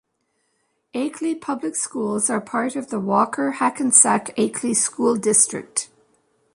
Akeley Public Schools are part of the Walker-Hackensack-Akeley School District.